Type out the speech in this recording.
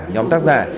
nhóm tác giả